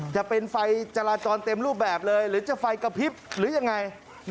จะเป็นไฟจราจรเต็มรูปแบบเลยหรือจะไฟกระพริบหรือยังไง